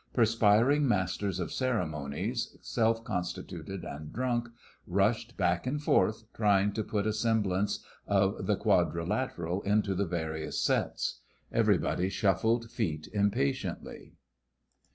Perspiring masters of ceremonies, self constituted and drunk, rushed back and forth, trying to put a semblance of the quadrilateral into the various sets. Everybody shuffled feet impatiently.